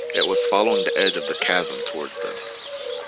It was following the edge of the chasm towards them.